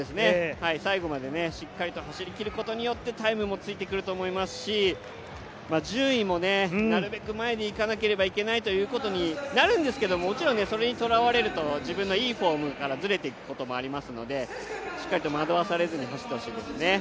最後までしっかりと走りきることによってタイムもついてくると思いますし順位もなるべく前に行かなければいけないということになるんですけどもちろんそれにとらわれると自分のいいフォームからずれていくことにも鳴りますのでしっかり戸惑わされずに走ってほしいですね。